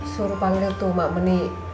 suruh pak lir tuh mak meni